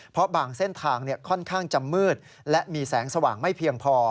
เพราะบางเส้นทางค่อนข้างจะมืดและมีแสงสว่างไม่เพียงพอ